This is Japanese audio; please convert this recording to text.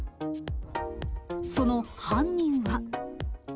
その犯人は。